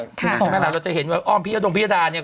ช่องวันของเขามานานเราจะเห็นว่าอ้อมพิธรรมพิธราเนี่ย